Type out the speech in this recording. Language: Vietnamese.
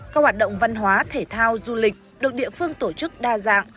các hoạt động văn hóa thể thao du lịch được địa phương tổ chức đa dạng